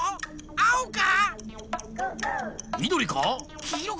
あおか？